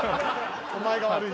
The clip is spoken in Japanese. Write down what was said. お前が悪い。